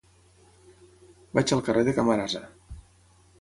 Vaig al carrer de Camarasa.